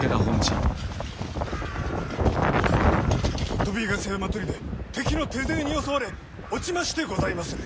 鳶ヶ巣山砦敵の手勢に襲われ落ちましてございまする。